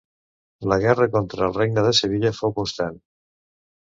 La guerra contra el Regne de Sevilla fou constant.